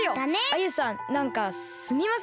アユさんなんかすみません！